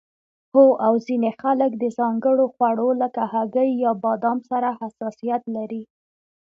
هو او ځینې خلک د ځانګړو خوړو لکه هګۍ یا بادام سره حساسیت لري